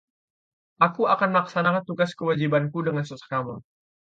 aku akan melaksanakan tugas kewajibanku dengan saksama